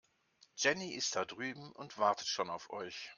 Jenny ist da drüben und wartet schon auf euch.